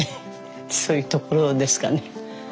そういうところですかね。